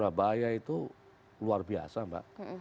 surabaya itu luar biasa mbak